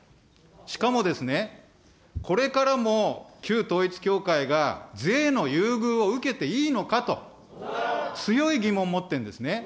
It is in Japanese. しかもですね、これからも旧統一教会が税の優遇を受けていいのかと、強い疑問を持ってるんですね。